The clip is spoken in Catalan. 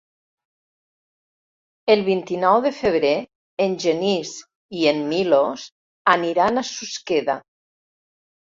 El vint-i-nou de febrer en Genís i en Milos aniran a Susqueda.